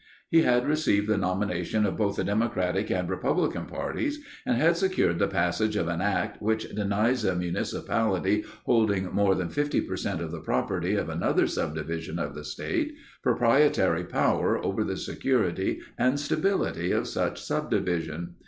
He had received the nomination of both the Democratic and Republican parties and had secured the passage of an act which denies a municipality holding more than 50 per cent of the property of another subdivision of the state, proprietary power over the security and stability of such subdivision.